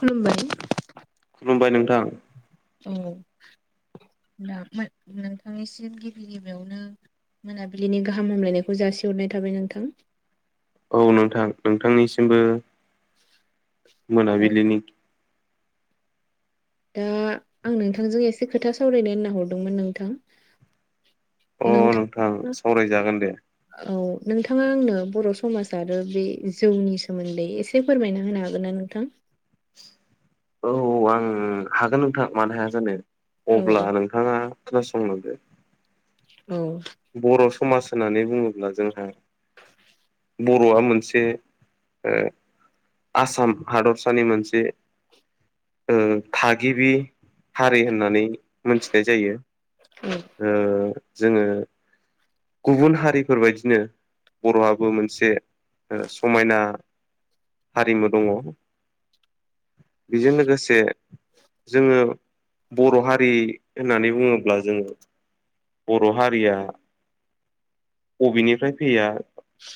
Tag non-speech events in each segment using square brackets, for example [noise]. खुलुमबाय खुलुमबाय नोंथां औ दा नोंथांनिसिम गिबि गिबियावनो मोनाबिलिनि गाहाम हामलायनायखौ जासिहरनाय थाबाय नोंथां औ नोंथां नोंथांनिसिमबो मोनाबिलिनि दा आं नोंथांजों एसे खोथा सावरायनो होनना हरदोंमोन नोंथां अ नोंथां सावरायजागोन दे औ नोंथाङा आंनो बर' समाज आरो बे जौनि सोमोन्दै एसे फोरमायना होनो हागोन ना नोंथां औ आं हागोन नोंथां मानो हाया जानो औ अब्ला नोंथाङा खोनासंलांदो औ। बर' समाज होननानै बुङोब्ला जोंहा बर'आ मोनसे ओ आसाम हादरसानि मोनसे ओ थागिबि हारि होननानै मोनथिनाय जायो ओ जोङो गुबुन हारिफोरबायदिनो बर'आ मोनसे समायना हारिमु दङ' बेजों लोगोसे जोङो बर' हारि होननानै बुङोब्ला जोङो बर' हारिया बबेनिफ्राय फैया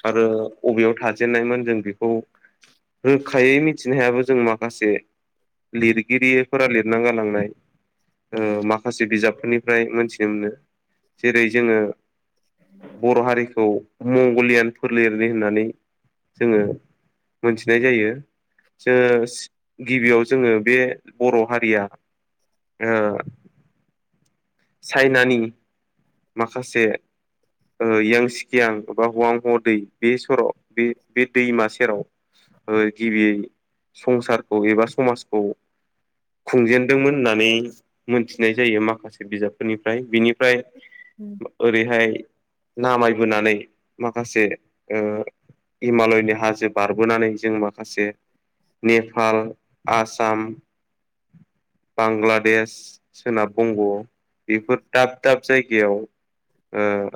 आरो अबेयाव थाजेननायमोन जों बेखौ रोखायै मिथिनो हायाबो जों माखासे लिरगिरिफोरा लिरना गालांनाय ओ माखासे बिजाबफोरनिफ्राय मोनथिनो मोनो जेरै जोङो बर' हारिखौ मंगलियान फोरलिरनि होननानै जोङो मोनथिनाय जायो। जोङो गिबियाव जोङो बे बर' हारिया ओ चाइनानि माखासे ओ यां सिकियां बा हवां हवा दै बे सर बे बे दैमा सेराव ओ गिबि संसारखौ एबा समाजखौ खुंजेनदोंमोन होननानै मोनथिनाय जायो माखासे बिजाबफोरनिफ्राय बिनिफ्राय ओरैहाय नामायबोनानै माखासे ओ हिमालयनि हाजो बारबोनानै जों माखासे नेपाल आसाम बांलादेश सोनाब बंग' बेफोर दाब-दाब जायगायाव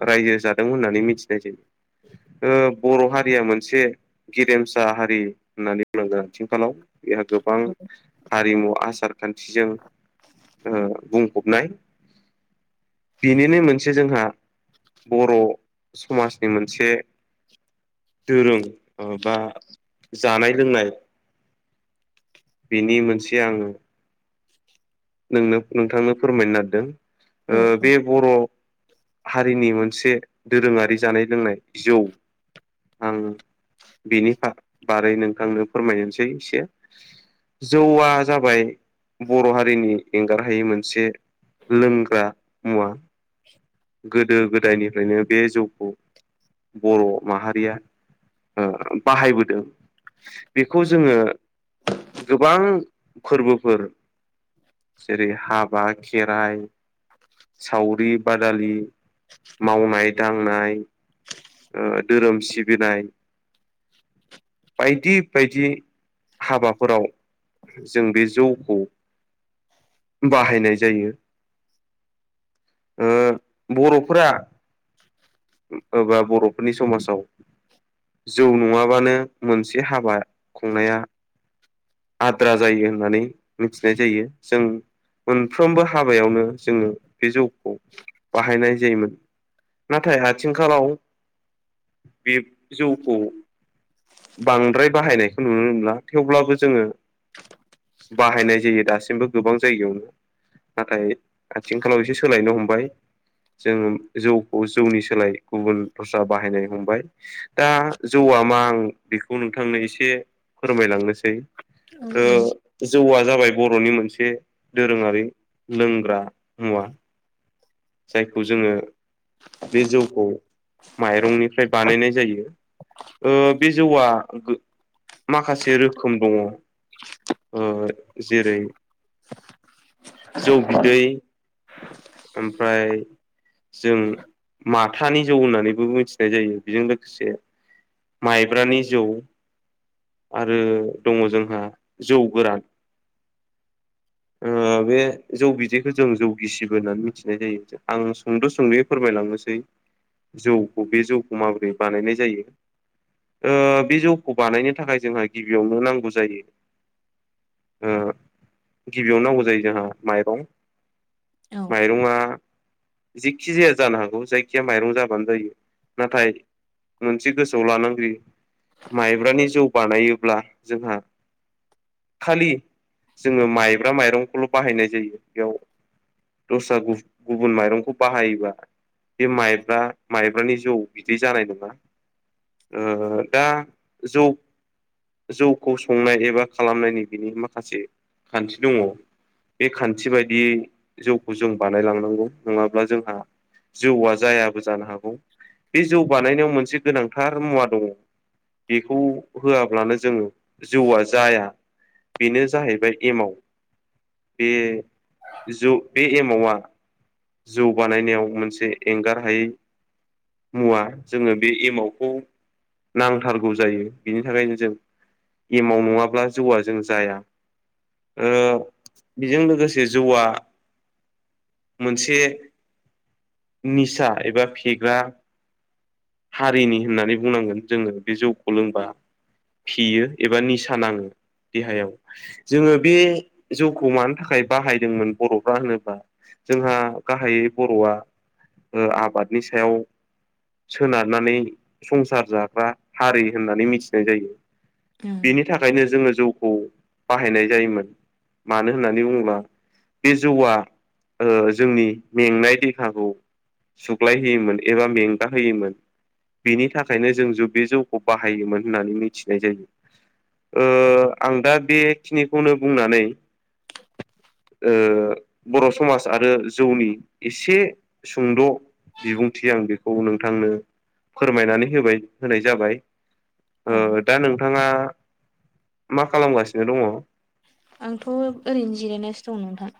रायजो जादों होननानै मिथिनाय जायो बर' हारि हारिया मोनसे गेरेमसा हारि होननानै बुंनांगोन आथिखालाव बेहा गोबां हारिमु आसार खान्थिजों बुं फबनाय बिनिनो मोनसे जोंहा बर' समाजनि मोनसे दोरों बा जानाय-लोंनाय बिनि मोनसे आङो नोंनो नोंथांनो फोरमायनो नागिरदों ओ औ बे बर' हारिनि मोनसे दोरोङारि जानाय-लोंनाय जौ आं बेनि बारै नोंथांनो फोरमायनोसै एसे जौआ जाबाय बर' हारिनि एंगारहायै मोनसे लोंग्रा मुवा गोदो-गोदायनिफ्रायनो बे जौखौ बर' माहारिया बाहायबोदों बेखौ जोङो गोबां फोरबोफोर [inaudible] जेरै-हाबा खेराइ सावरि बादालि मावनाय दांनाय धोरोम सिबिनाय बायदि बायदि हाबाफोराव जों बे जौखौ बाहायनाय जायो। बर'फोरा एबा बर'फोरनि समाजाव जौ नङाबानो मोनसे हाबा खुंनाया आद्रा जायो होननानै मिथिनाय जायो। जों मोनफ्रोमबो हाबायावनो जोङो बे जौखौ बाहायनाय जायोमोन नाथाय आथिखालाव बे जौखौ बांद्राय बाहायनायखौ नुनो मोनला थेवब्लाबो जोङो बाहायनाय जायो दासिमबो गोबां जायगायावनो नाथाय आथिखालाव एसे सोलायनो हमबाय जोंङो जौखौ जौनि सोलाय गुबुन दस्रा बाहायनो हमबाय दा जौ जौआ मा आं बेखौ नोंथांनो एसे फोरमायलांनोसै जौआ जाबाय बर'नि मोनसे से दोरोङारि लोंग्रा मुवा जायखौ जोङो बे जौखौ माइरंनिफ्राय बानायनाय जायो बे जौआ माखासे रोखोम दङ जेरै जौ बिदै ओमफ्राय जों माथानि जौ होननानैबो मिथिनाय जायो बेजों लोगोसे माइब्रानि जौ आरो दङ जोंहा जौ गोरान बे जौ बिदैखौ जों जौ गिसिबो होननानै मिथि नाय जायो आं सुंद'-सुंद'यै फोरमायलांनोसै जौखौ बे जौखौ माबोरै बानायनाय जायो? बे जौखौ बानायनो थाखाय जोंहा गिबियावनो नांगौ जायो। गिबियाव नांगौ जायो जोंहा माइरं औ। माइरंआ जेखि जाया जानो हागौ जायखिया माइरं जाबानो जायो नाथाय मोनसे गोसोआव लानांगो माइब्रानि जौ बानायोब्ला जोंहा खालि जोङो माइब्रा माइरंखौल' बाहायनाय जायो बेयाव दस्रा गुफ-गुबुन माइरंखौ बाहायोबा बे माइब्रा माइब्रानि जौ बिदै जानाय नङा ओ दा जौ जौखो संनाय एबा खालामनायनि बिनि माखासे खान्थि दङ बे खान्थि बायदियै जौ खौ जों बानायलांनांगौ नङाब्ला जोंहा जौआ जायाबो जानो हागौ बे जौ बानायनायाव मोनसे गोनांथार मुवा दङ बेखौ होआब्लानो जोङो जौआ जाया बेनो जाहैबाय एमाव बे जौ बे एमावा जौ बानायनायाव मोनसे एंगार हायै मुवा जोङो बे एमावखौ नांथारगौ जायो बिनि थाखायनो जों एमाव नङाब्ला जौआ जों जाया ओ बेजों लोगोसे जौवा मोनसे निसा एबा फेग्रा हारिनि होननानै बुंनांगोन जोङो बे जौखौ लोंबा फेयो एबा निसा नाङो देहायाव जोङो बे जौखो मानो थाखाय बाहायदोंमोन बर' फ्रा होनोबा जोंहा गाहायै बर'आ ओ आबादनि सायाव सोनारनानै संसार जाग्रा हारि होननानै मिथिनाय जायो बेनि थाखायनो जोङो जौखौ बाहायनाय जायोमोन मानो होननानै बुङोब्ला बे जौआ ओ जोंनि मेंनाय देहाखौ सुग्लाय होयोमोन एबा मेंगा होयोमोन बेनि थाखायनो जों जौ बे जौखो बाहायोमोन होननानै मिथिनाय जायो ओ आं दा बेखिनिखौनो बुंनानै [inaudible] [unintelligible] ओ बर' समाज आरो जौनि एसे सुंद' बिबुंथि आं बेखौ नोंथांनो फोरमायनानै होबाय होनाय जाबाय औ ओ दा नोंथाङा मा खालामगासिनो दङ आंथ' ओरैनो जिरायनासो दं नोंथां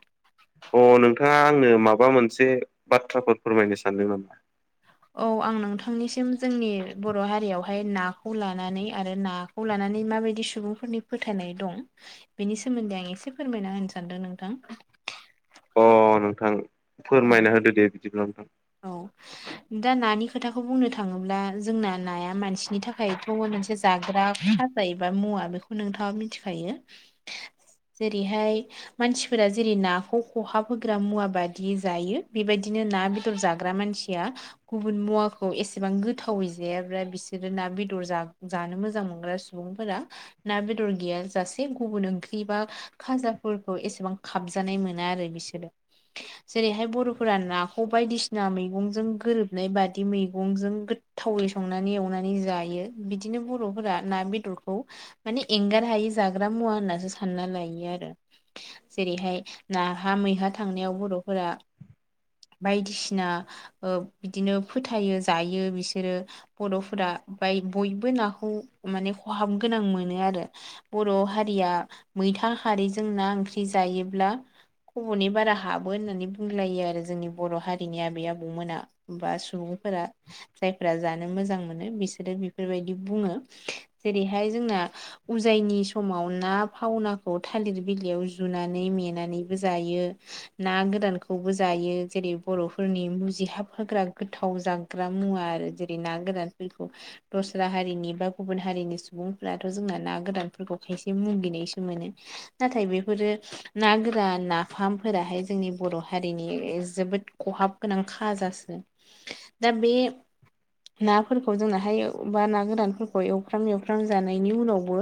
ओ नोंथाङा आंनो माबा मोनसे बाथ्राफोर फोरमायनो सानदों नामा औ आं नोंथांनिसिम जोंनि बर' हारियावहाय नाखौ लानानै आरो नाखौ लाना नै माबायदि सुबुंफोरनि फोथायनाय दं बेनि सोमोन्दै आं एसे फोरमायना होनो सानदों नोंथां [inaudible] [unintelligible] ओ नोंथां फोरमायना होदो दे बिदिब्ला' नोंथां औ दा नानि खोथाखौ बुंनो थाङोब्ला जोंना नाया मानसिनि थाखायथ' मोनसे जाग्रा साबबायो मुवा बेखौ नोंथाङा मिथिखायो जेरैहाय मानसिफोरा जेरै नाखौ खहाब होग्रा मुवा बादि जायो बेबायदिनो ना बे दर जाग्रा मानसिया गुबुन मुवाखौ एसेबां गोथावै जायाब्रा बिसोरो ना बेदर जा जानो मोजां मोनग्रा सुबुंफोरा ना बेदर गिया जासे गुबुन ओंख्रि बा खा जा फोरखौ एसेबां खाबजानाय मोना आरो बिसोरो जेरैहाय बर'फोरा नाखौ बायदिसिना मैगंजों गोरोबनाय बादि मैगंजों गोथावै संनानै एवनानै जायो बिदिनो बर'फोरा ना बेदरखौ माने एंगार हायि जाग्रा मुवा होननासो सानना लायो आरो जेरैहाय नाहा मैहा थांनायाव बर'फोरा बायदिसिना ओ बिदिनो फोथायो जायो बिसोरो बर'फोरा बाय बयबो नाखौ माने खहाब गोनां मोनो आरो बर' हारिया मैथा हारिजों ना ओंख्रि जायोब्ला खब'नै बारा हाबो होननानै बुंलायो आरो जोंनि बर' हारिनि आबै आबौमोना बा सुबुंफोरा जायफोरा जानो मोजां मोनो बिसोरो बेफोरबायदि बुङो जेरैहाय जोंना उजायनि समाव ना फावनाखौ थालिर बिलाइयाव जुनानै मेनानैबो जायो ना गोदानखौबो जायो जेरै बर'फोरनि मुजिहाब होग्रा गोथाव जाग्रा मुवा आरो जेरै ना गोरानफोरखौ दस्रा हारिनि बा गुबुन हारिनि सुबुंफोराथ' जोंना ना गोरानफोरखौ खायसे मुगिनायसो मोनो नाथाय बेफोरो ना गोरा नाफामफोराहाय जोंनि बर' हारिनि जोबोद खहाब गोनां खाजासो दा बे नाफोरखौ जोंनाहाय बा ना गदानफोरखौ एवफ्राम एवफ्राम जानायनि उनावबो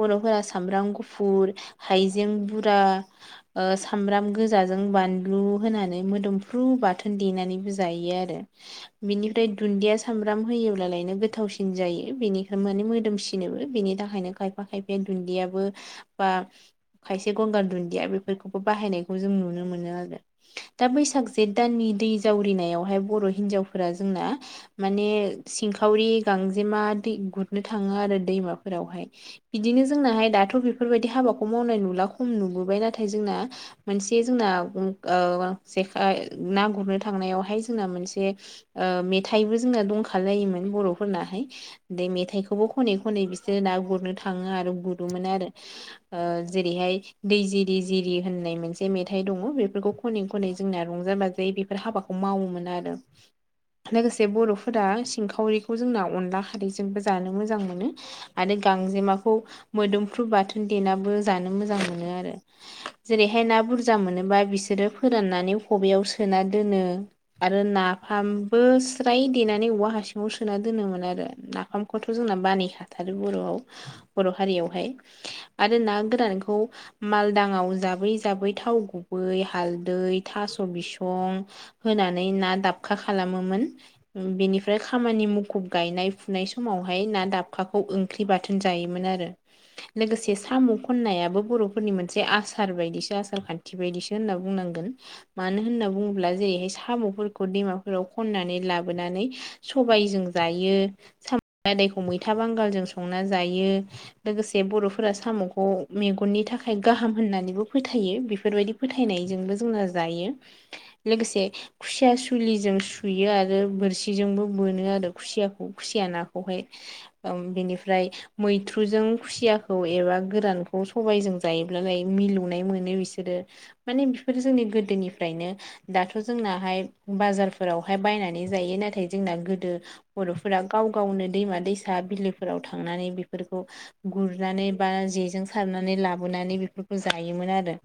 बर' फोरा सामब्राम गुफुर हाइजें बुरा सामब्राम गोजाजों बानलु बानलु होनानै मोदोम फ्रु बाथोन देनानैबो जायो आरो बिनिफ्राय दुन्दिया सामब्राम होायोलायनो गोथाव गोथावसिन जायो बेनिफ्राय माने मोदोमसिनोबो बेनि थाखायनो खायफा खायफाया दुन्दियाबो बा खायसे गंगार दुन्दिया बेफोरखौबो बाहायनायखौ जों नुनो मोनो आरो दा बैसाग ज जेठ दाननि दै जावरिनायावहाय बर' हिन्जावफोरा जोंना माने सिंखावरि गां गांजेमा दै गुरनो थाङो आरो दैमाफोरावहाय बिदिनो जोंनाहाय दाथ' बेफोरबायदि हाबाखौ खौ मावनाय नुला खम नुबोबाय नाथाय जोंना मोनसे जोंना ओ जे ना गुरनो थांनायावहाय जोंना मोनसे मेथाइबो जोंना दंखालायोमोन बर' फोरनाहाय बे मेथाइखौबो खनै खनै बिसोरो ना गुरनो थाङो आरो गुरोमोन आरो जेरैहाय दै जिरि जिरि होननाय मोनसे मेथाइ दङ बेफोरखौ खनै खनै जोंना रंजा बाजायै बेफोर हाबाखौ मावोमोन आरो लोगोसे बर'फोरा सिंखावरिखौ जोंना अनला खारैजोंबो जानो मोजां मोनो आरो गांजेमाखौ मोदमफ्रु बाथोन देनाबो जानो मोजां मोनो आरो जैरैहाय बुरजा मोनोबा बिसोरो फोराननानै खबयाव सोना दोनो आरो नाफामबो स्राय देनानै औवा हासुंआव सोना सोना दोनोमोन आरो नाफामखौथ' जोंना बानायखाथारो बर'आव बर' हारियावहाय आरो ना गोरानखौ मालदाङाव जाबै जाबै थाव गुबै हालदै थास' बिसं होनानै ना दाबखा खालामोमोन बेनिफ्राय खामानि मुखुब गायनाय फुनाय समावहाय ना दाबखाखौ ओंख्रि बाथोन जायोमोन आरो लोगोसे मोनसे साम' खननायाबो बर'फोरनि मोनसे आसार बायदिसो आसार खान्थि बायदिसो होनना बुंनांगोन मानो होनना बुङोब्ला जेरैहाय साम'फोरखौ दैमाफोराव खन्नानै लाबोनानै सबाय जों जायो साम लादायखौ मैला बांगालजों संना जायो लोगोसे बर'फोरनि फोर साम'खौ मेगननि थाखाय गाहाम होननानैबो फोथायो बेफोरबायदि फोथायनायजोंबो जोंना जायो लोगोसे खुसिया सुलिजों सुयो आरो बोरसिजोंबो बोनो आरो खुसिया खुसिया नाखौहाय बेनिफ्राय मैथ्रुजों खुसियाखौ बा गोरानखौ सबायजों जायोब्लााय मिलौनाय मोनो बिसोरो माने बिफोर जोंनि गो गोदोनिफ्रायनो दाथ' जोंनाहाय बाजारफोरावहाय बायनानै जायो नाथाय जोंना गोदो बर'फोरा गाव गावनो दैमा दैसा बिलोफोराव थांनानै बेफोरखौ गुरनानै बा जेजों सारनानै लाबोनानै बेफोरखौ जायोमोन आरो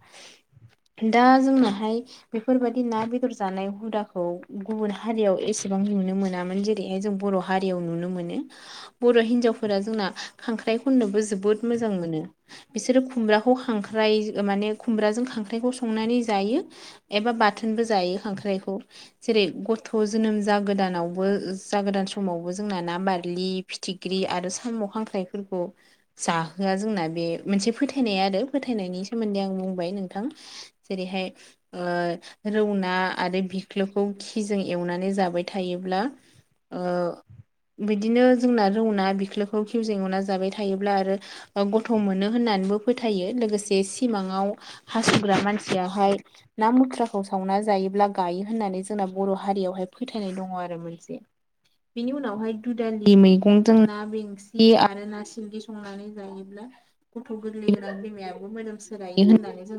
दा जोंनाहाय बेफोरबायाददि ना बेदर जानाय हुदाखौ गुबुन हारियाव एसेबां नुनो मोनामोन जेरैहाय जों बर' हारियाव नुनो मोनो बर' हिनजावफोरा जोंना खांख्राइ खननोबो जोबोद मोजां मोनो मोनो बिसोरो खुमब्राखौ खांख्राइ माने खुमब्राजों खांख्राइखौ संनानै जायो एबा बाथोनबो जायो खांख्राइखौ जेरै गथ' जोनोम जागोदानावबो जागोदान समावबो जोंना ना बारलि फिथिख्रि आरो साम' खांख्राइफोरखौ जाहोआ जोंना बे मोनसे फोथायनाय आरो फोथायनायनि सोमोन्दै आं बुंबाय नोंथां जेरैहाय रौ ना आरो बिख्लुखौ खिजों एवनानै जाबाय थायोब्ला ओ बिदिनो जोंना रौना बिख्लोखौ खिउ जों एवना जाबाय थायोब्ला आरो गथ' मोनो होननानै बो फोथायो लोगोसे सिमाङाव हासुग्रा मानसियाहाय ना मुथ्राखौ सावना जायोब्ला गायो होननानै जोंना बर' हारियावहाय फोथायनाय दङ आरो मोनसे बेनि उनावहाय दुदालि मैगंजों ना बेंसि आरो ना सिंगि संनानै जायोब्ला गथ' गोर्लै होनानै फैबाय अब' मोदोम सोलायो होननानै जोङो